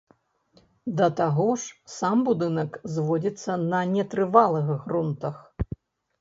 Да таго ж, сам будынак зводзіцца на нетрывалых грунтах.